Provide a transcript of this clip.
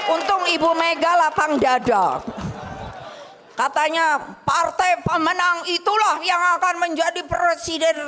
untung ibu mega lapang dada katanya partai pemenang itulah yang akan menjadi presiden